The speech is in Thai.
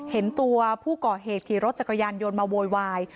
เห็นตัวผู้ก่อเหตุขี่รถจักรยานยนต์มาโวยวาย